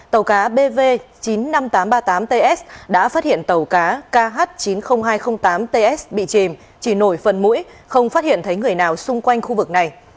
tàu cá bv chín mươi năm nghìn tám trăm ba mươi tám ts đã phát hiện tàu cá kh chín mươi nghìn hai trăm linh tám ts bị chìm chỉ nổi phần mũi không phát hiện thấy người nào xung quanh khu vực này